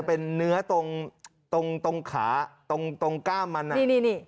เป็นเนื้อตรงขาตรงกล้ามมัน